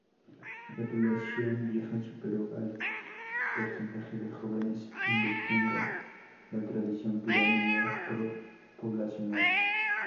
La población vieja superó al porcentaje de jóvenes, invirtiendo la tradicional pirámide poblacional.